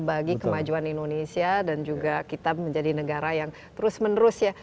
bagi kemajuan indonesia dan juga kita menjadi negara yang terus menerus ya